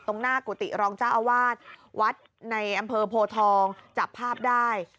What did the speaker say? หน้ากุฏิรองเจ้าอาวาสวัดในอำเภอโพทองจับภาพได้